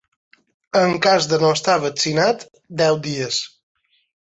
En cas de no estar vaccinat, deu dies.